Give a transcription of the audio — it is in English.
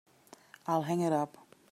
I'll hang it up.